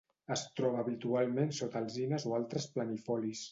Es troba habitualment sota alzines o altres planifolis.